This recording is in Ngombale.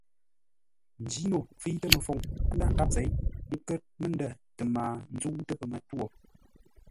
Njino fə̂itə məfoŋ ńdághʼ nkâp zěi ńkə́r məndə̂ tə mbaa ńzə́utə́ pəmətwô.